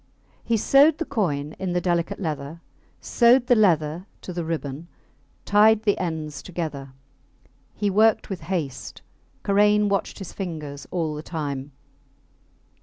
He sewed the coin in the delicate leather, sewed the leather to the ribbon, tied the ends together. He worked with haste. Karain watched his fingers all the time.